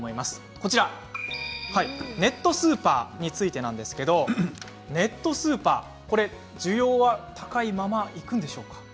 こちらネットスーパーについてなんですけれどもネットスーパー、需要が高いままいくんでしょうか。